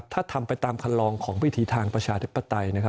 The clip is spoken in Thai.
ถ้าทำไปตามคันลองของวิธีทางประชาธิปไตย